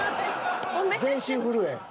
全身震え。